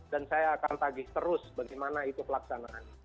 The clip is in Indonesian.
dan saya akan tagih terus bagaimana itu pelaksanaan